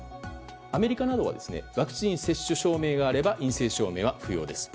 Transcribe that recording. アメリカなどはワクチン接種証明があれば陰性証明は不要です。